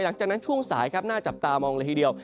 หลังจากนั้นช่วงใสหน้าจับตามองละทีเดียว